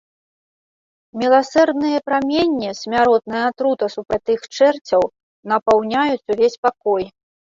Міласэрныя праменні — смяротная атрута супраць тых чэрцяў — напаўняюць увесь пакой.